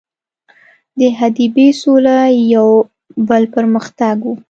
د حدیبې سوله یو بل پر مختګ وو.